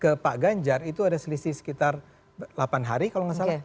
ke pak ganjar itu ada selisih sekitar delapan hari kalau nggak salah